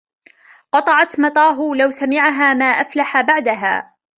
قَطَعْتَ مَطَاهُ لَوْ سَمِعَهَا مَا أَفْلَحَ بَعْدَهَا